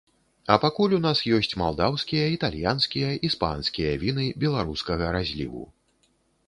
А пакуль у нас ёсць малдаўскія, італьянскія, іспанскія віны беларускага разліву.